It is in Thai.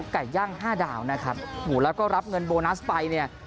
ไก่ย่างห้าดาวนะครับแล้วก็รับเงินโบนัสไปเนี่ย